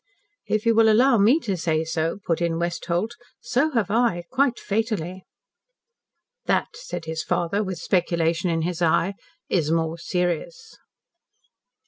"If you will allow me to say so," put in Westholt, "so have I quite fatally." "That," said his father, with speculation in his eye, "is more serious."